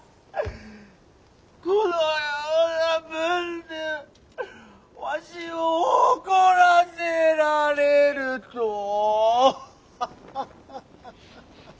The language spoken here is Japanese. このような文でわしを怒らせられるとハッハッハッ。